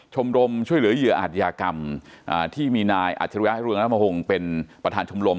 ชมรมช่วยเหลือเหยื่ออาทยากรรมที่มีนายอัฐรยาธิรวงรัฐมหงษ์เป็นประธานชมรม